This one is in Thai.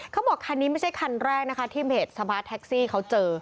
เขาบอกคันนี้ไม่ใช่คันแรกนะคะที่เพจสมาร์ทแท็กซี่เขาเจอ